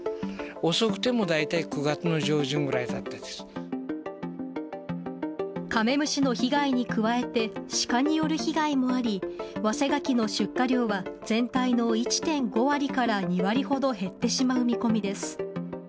遅くても大体９月の上旬ぐらいだカメムシの被害に加えて、鹿による被害もあり、早生柿の出荷量は、全体の１．５割から２割ほど減ってしまう見込みです。